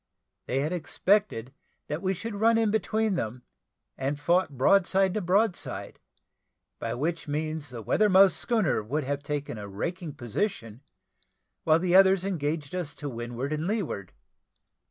They had expected that we should have run in between them, and fought broadside to broadside, by which means the weathermost schooner would have taken a raking position, while the others engaged us to windward and to leeward.